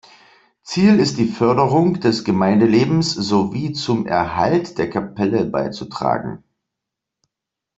Ziel ist die Förderung des Gemeindelebens sowie zum Erhalt der Kapelle beizutragen.